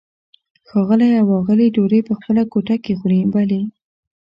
ښاغلی او آغلې ډوډۍ په خپله کوټه کې خوري؟ بلې.